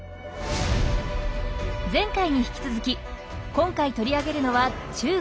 前回に引き続き今回取り上げるのは「中国」。